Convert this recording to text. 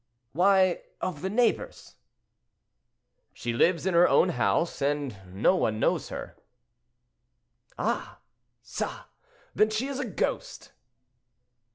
"Why, of the neighbors." "She lives in her own house, and no one knows her." "Ah! ça! then she is a ghost!"